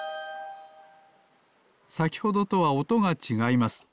さきほどとはおとがちがいます。